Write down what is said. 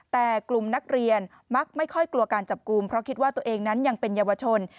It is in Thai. แต่กลุ่มนักเรียนมักไม่ค่อยกลัวการจับกลุ่มเพราะคิดว่าตัวเองนั้นยังเป็นเยาวชน